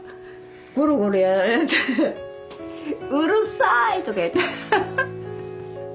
ゴロゴロやられて「うるさい！」とか言って。